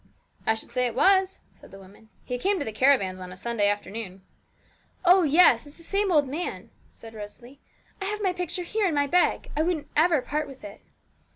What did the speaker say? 'I should say it was,' said the woman; 'he came to the caravans on a Sunday afternoon.' 'Oh yes; it's the same old man,' said Rosalie. 'I have my picture here, in my bag. I wouldn't ever part with it.'